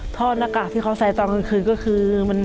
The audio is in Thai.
หน้ากากที่เขาใส่ตอนกลางคืนก็คือ